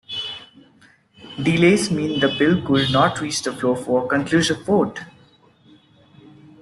Delays meant the bill could not reach the floor for a conclusive vote.